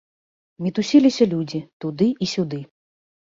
Мітусіліся людзі, туды і сюды.